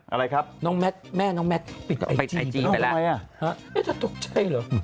อะไรครับน้องแมทแม่น้องแมทปิดไอจีไปแล้วมันทำไมอ่ะ